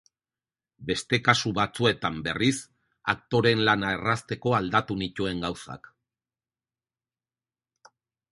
Beste kasu batzuetan, berriz, aktoreen lana errazteko aldatu nituen gauzak.